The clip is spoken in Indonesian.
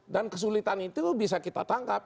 dan kesulitan itu bisa kita tangkap